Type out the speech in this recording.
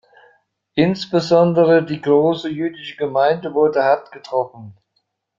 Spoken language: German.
Insbesondere die große jüdische Gemeinde wurde hart getroffen.